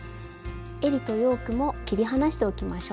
えりとヨークも切り離しておきましょう。